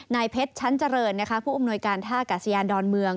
นายเพชรชั้นเจริญนะคะผู้อำนวยการท่ากาศยานดอนเมือง